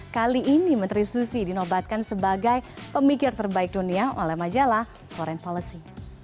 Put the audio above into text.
kali ini menteri susi dinobatkan sebagai pemikir terbaik dunia oleh majalah foreign policy